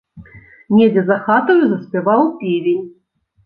Недзе за хатаю заспяваў певень.